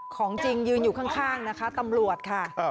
ของจริงยืนอยู่ข้างนะคะตำรวจค่ะ